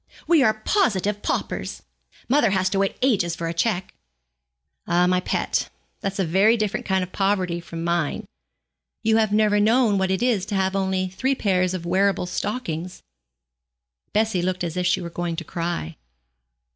We are positive paupers. Mother has to wait ages for a cheque.' 'Ah, my pet, that's a very different kind of poverty from mine. You have never known what it is to have only three pairs of wearable stockings.' Bessie looked as if she were going to cry.